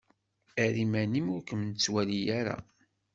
Err iman-im ur kem-nettwali ara.